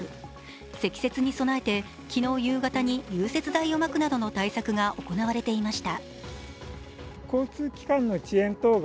積雪に備えて昨日夕方に融雪剤をまくなどの対策が行われていました。